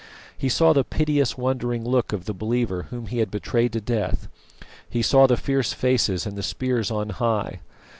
He saw the piteous wondering look of the believer whom he had betrayed to death; he saw the fierce faces and the spears on high.